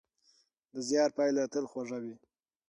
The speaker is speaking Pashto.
د زیار پایله تل خوږه وي.